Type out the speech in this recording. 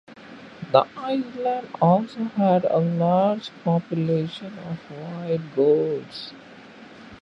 The island also has a large population of wild goats.